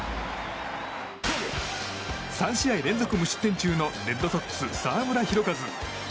３試合連続無失点中のレッドソックス、澤村拓一。